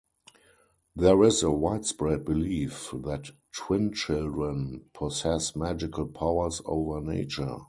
There is a widespread belief that twin children possess magical powers over nature.